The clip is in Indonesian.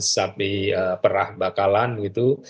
sapi perah bakalan gitu